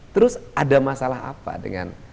terus ada masalah apa dengan